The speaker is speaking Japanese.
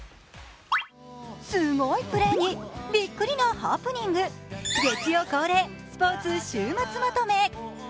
すごいプレーにびっくりなハプニング、月曜恒例、スポーツ週末まとめ。